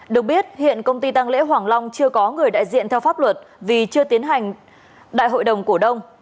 được biết hiện công ty tăng lễ hoàng long chưa có người đại diện theo pháp luật vì chưa tiến hành đại hội đồng cổ đông